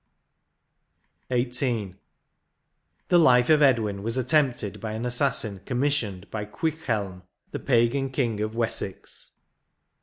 D 2 XVIII. The life of Edwin was attempted by an assassin commissioned by Owichhelm^ the pagan King of Wessex.